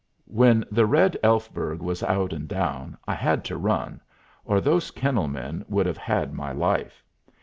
When the Red Elfberg was out and down I had to run, or those kennel men would have had my life.